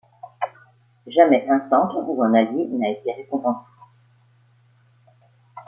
Jamais un centre ou un ailier n'a été récompensé.